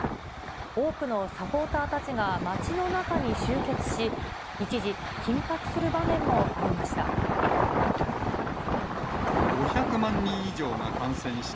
多くのサポーターたちが街の中に集結し、一時、緊迫する場面もありました。